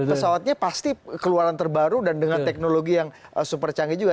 pesawatnya pasti keluaran terbaru dan dengan teknologi yang super canggih juga